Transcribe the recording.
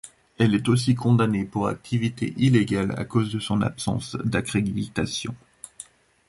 Elle est aussi condamnée pour activités illégales à cause de son absence d'accréditation.